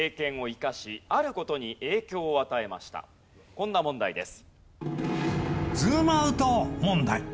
こんな問題です。